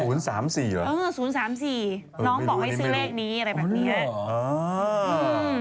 ๐๓๔เหรออืม๐๓๔น้องบอกให้ซื้อแรกนี้อะไรแบบนี้